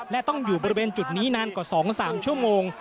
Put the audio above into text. และต้องอยู่บริเวณจุดนี้นานกว่า๒๓ชั่วโมง